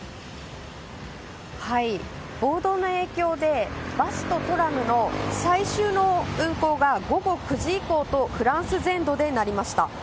暴動の影響で、バスとトラムの最終の運行が午後９時以降とフランス全土でなりました。